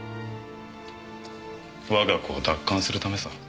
我が子を奪還するためさ。